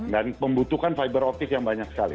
dan membutuhkan fiber optic yang banyak sekali